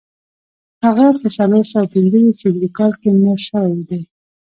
هغه په څلور سوه پنځه ویشت هجري کال کې مړ شوی دی